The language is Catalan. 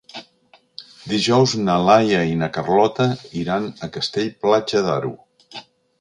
Dijous na Laia i na Carlota iran a Castell-Platja d'Aro.